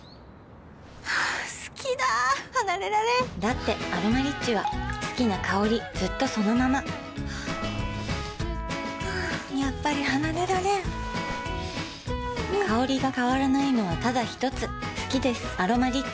好きだ離れられんだって「アロマリッチ」は好きな香りずっとそのままやっぱり離れられん香りが変わらないのはただひとつ好きです「アロマリッチ」